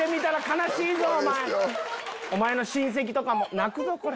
お前の親戚とかも泣くぞこれ。